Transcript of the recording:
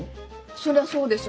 そりゃそうでしょ。